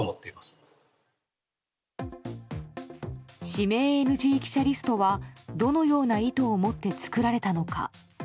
指名ＮＧ記者リストはどのような意図を持って作られたのか。